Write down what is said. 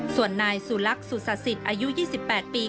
ส่วนนายสุลักษ์สุสาสิทธิ์อายุ๒๘ปี